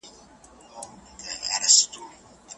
سياستوالو پخوا هم له لږو امکاناتو ګټه پورته کړې وه.